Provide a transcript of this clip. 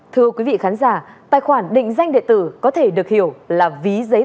thưa quý vị khán giả tài khoản định danh địa tử có thể được hiểu là ví giấy tờ